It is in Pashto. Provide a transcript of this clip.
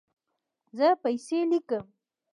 زه پیسې لیکم